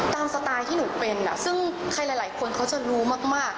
สไตล์ที่หนูเป็นซึ่งใครหลายคนเขาจะรู้มาก